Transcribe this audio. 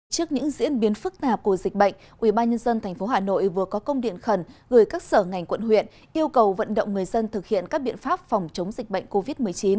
trước những diễn biến phức tạp của dịch bệnh ubnd tp hà nội vừa có công điện khẩn gửi các sở ngành quận huyện yêu cầu vận động người dân thực hiện các biện pháp phòng chống dịch bệnh covid một mươi chín